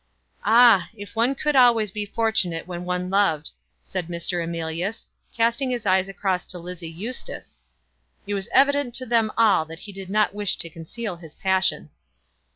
"Ah! if one could always be fortunate when one loved!" said Mr. Emilius, casting his eyes across to Lizzie Eustace. It was evident to them all that he did not wish to conceal his passion.